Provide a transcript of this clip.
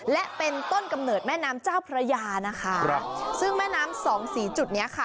และเป็นต้นกำเนิดแม่น้ำเจ้าพระยานะคะครับซึ่งแม่น้ำสองสีจุดเนี้ยค่ะ